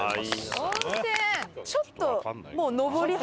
ちょっと。